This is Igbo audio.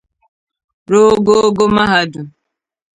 ruo ogoogo mahadum.